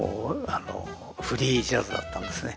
フリージャズだったんですね。